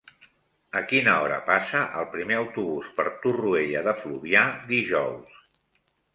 A quina hora passa el primer autobús per Torroella de Fluvià dijous?